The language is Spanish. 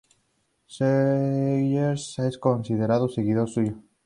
Seghers es considerado seguidor suyo.